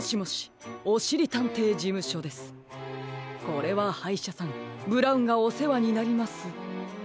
これははいしゃさんブラウンがおせわになります。